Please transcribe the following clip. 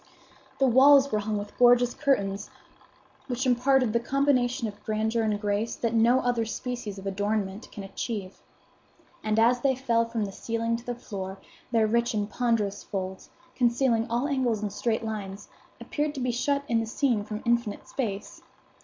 The walls were hung with gorgeous curtains, which imparted the combination of grandeur and grace that no other species of adornment can achieve; and as they fell from the ceiling to the floor, their rich and ponderous folds, concealing all angles and straight lines, appeared to shut in the scene from infinite space.